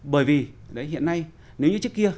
bởi vì hiện nay nếu như trước kia